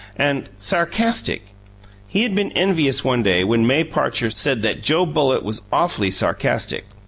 And "sarcastic"! He had been envious one day when May Parcher said that Joe Bullitt was "awfully sarcastic."